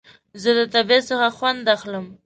زه د طبیعت څخه خوند اخلم